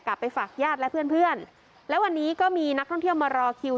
กลับไปฝากญาติและเพื่อนเพื่อนและวันนี้ก็มีนักท่องเที่ยวมารอคิว